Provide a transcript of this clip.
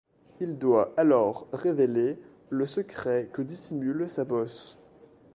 Il doit alors révéler le secret que dissimule sa bosse.